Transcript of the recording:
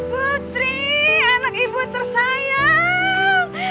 putri anak ibu tersayang